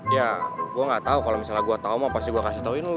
ya gua gatau kalo misalnya gua tau mau pasti gua kasih tauin lu